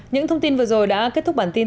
những thông tin vừa rồi đã kết thúc bản tin